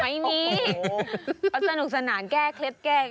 ไม่มีเขาสนุกสนานแก้เคล็ดแก้